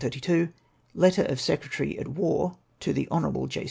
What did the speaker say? — Letter of Secretary at War to the Hon, J.